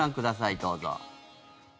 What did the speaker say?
どうぞ。